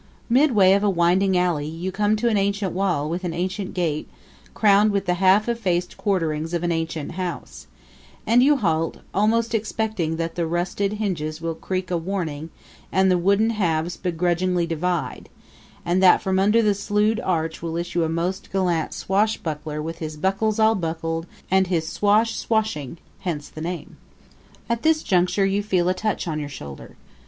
Midway of a winding alley you come to an ancient wall and an ancient gate crowned with the half effaced quarterings of an ancient house, and you halt, almost expecting that the rusted hinges will creak a warning and the wooden halves begrudgingly divide, and that from under the slewed arch will issue a most gallant swashbuckler with his buckles all buckled and his swash swashing; hence the name. At this juncture you feel a touch on your shoulder.